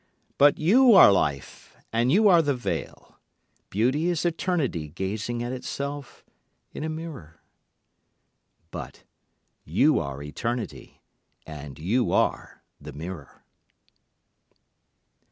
But you are life and you are the veil. Beauty is eternity gazing at itself in a mirror. But you are eternity and you are the mirror.